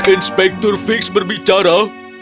inspektur figgs berbicara